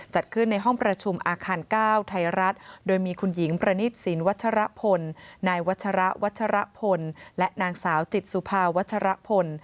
จัดขึ้นในห้องประชุมอาคาร๙ไทยรัฐโดยมีคุณหญิงประณิตศีลวัชรพลนายวัชระวัชรพลและนางสาวจิตสุภาวัชรพล